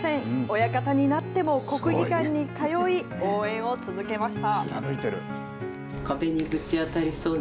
親方になっても国技館に通い、応援を続けました。